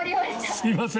すみません。